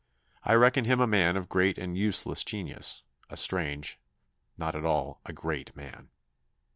I reckon him a man of great and useless genius: a strange, not at all a great man."